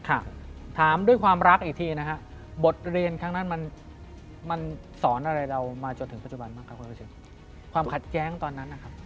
ถามด้วยความรักอีกทีนะฮะบทเรียนครั้งนั้นมันมันสอนอะไรเรามาจนถึงปัจจุบันบ้างครับคุณรู้สึกความขัดแย้งตอนนั้นนะครับ